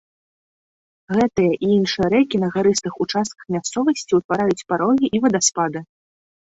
Гэтыя і іншыя рэкі на гарыстых участках мясцовасці ўтвараюць парогі і вадаспады.